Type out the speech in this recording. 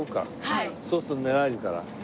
そうすると寝られるから。